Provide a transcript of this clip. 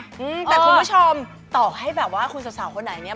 อืมแต่คุณผู้ชมต่อให้แบบว่าคุณสาวสาวคนไหนเนี้ย